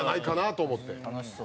楽しそう。